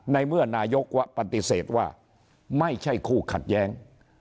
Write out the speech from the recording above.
ในเมื่อนายกวะปฏิเสธว่าไม่ใช่คู่ขัดแย้ง